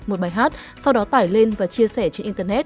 một bài hát sau đó tải lên và chia sẻ trên internet